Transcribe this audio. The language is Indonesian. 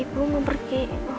ibu mau pergi